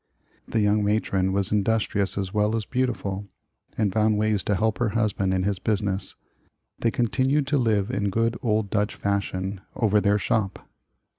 The young matron was industrious as well as beautiful, and found ways to help her husband in his business. They continued to live in good old Dutch fashion over their shop.